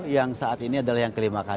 yang saat ini adalah yang kelima kali